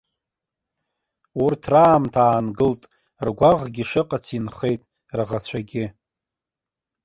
Урҭ раамҭа аангылт, ргәаӷгьы шыҟац инхеит, раӷацәагьы.